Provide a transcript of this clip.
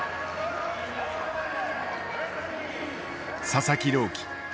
佐々木朗希。